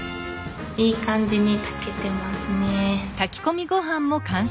いい感じに炊けてますね。